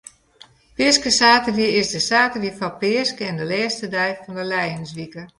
Peaskesaterdei is de saterdei foar Peaske en de lêste dei fan de lijenswike.